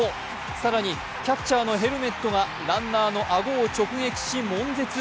更にキャッチャーのヘルメットがランナーの顎を直撃し、悶絶。